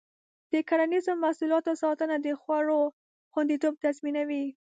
د کرنیزو محصولاتو ساتنه د خوړو خوندیتوب تضمینوي.